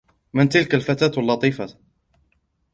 من تلك الفتاة اللطيفة ؟